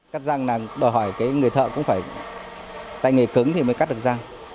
cắt răng là đòi hỏi cái người thợ cũng phải tại nghề cứng thì mới cắt được răng